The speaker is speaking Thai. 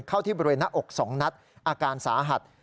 ที่บริเวณหน้าอก๒นัดอาการสาหัส